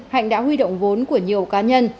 hạnh đã huy động vốn của nhiều cá nhân